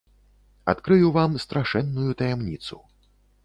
Адкрыю вам страшэнную таямніцу.